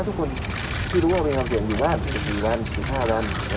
แต่เดี๋ยวกันก็ต้องหาต้องมีวิธีการหาเงินมาใช้ด้วยนะ